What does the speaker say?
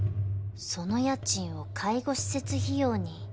その家賃を介護施設費用に